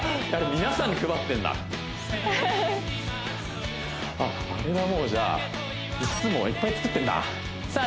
皆さんに配ってんだあれはもうじゃあいっつもいっぱい作ってんださあ